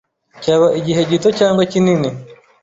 cyaba igihe gito cyangwa kinini.